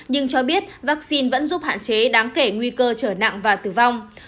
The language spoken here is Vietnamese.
nhưng cho biết vaccine vẫn giúp hạn chế đáng kể nguy cơ trở nặng và tử vong